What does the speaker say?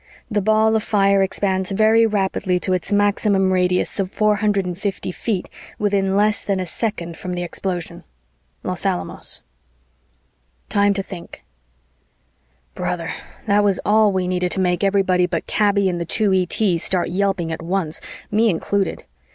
the ball of fire expands very rapidly to its maximum radius of 450 feet within less than a second from the explosion. Los Alamos TIME TO THINK Brother, that was all we needed to make everybody but Kaby and the two ETs start yelping at once, me included.